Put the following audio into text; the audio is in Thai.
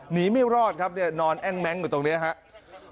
หนีไม่รอดครับนอนแอ้งแม้งอยู่ตรงนี้ครับ